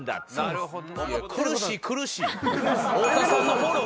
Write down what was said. なるほど。